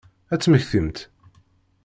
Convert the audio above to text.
Ad temmektimt?